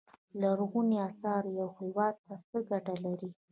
لرغونو اثار یو هیواد ته څه ګټه لري.